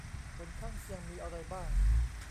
ผลข้างเคียงมีอะไรบ้าง